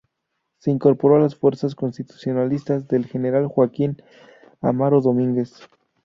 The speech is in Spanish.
Se incorporó a las fuerzas constitucionalistas del general Joaquín Amaro Domínguez.